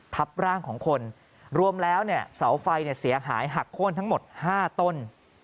ทับร่างของคนรวมแล้วเนี่ยเสาไฟเสียหายหักโค้นทั้งหมด๕ต้น